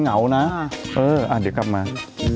เอานะเอาเดี๋ยวกลับมา